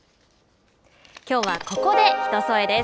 きょうはここで「ひとそえ」です。